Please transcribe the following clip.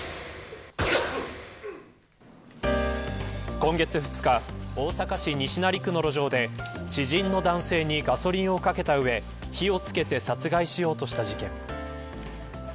今月２日、大阪市西成区の路上で知人の男性にガソリンをかけたうえ火を付けて殺害しようとした事件。